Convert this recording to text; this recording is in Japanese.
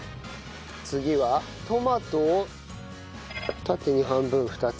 次はトマトを縦に半分２つ。